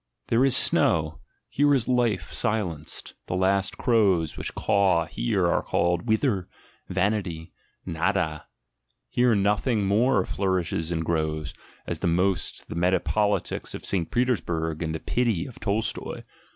) there is snow — here is life silenced, the last crows which aw here are called "whither?" "Vanity," "Nada" — here ;Othing more flourishes and grows, at the most the meta lolitics of St. Petersburg and the "pity" of Tolstoi.